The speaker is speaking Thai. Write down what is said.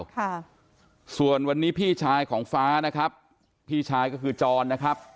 ค่ะส่วนวันนี้พี่ชายของฟ้านะครับพี่ชายก็คือจรนะครับ